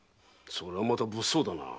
それはまた物騒だな。